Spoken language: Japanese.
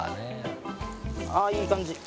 ああいい感じ。